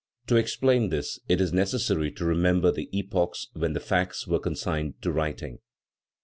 To explain this, it is necessary to remember the epochs when the facts were consigned to writing.